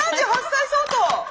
３８歳相当。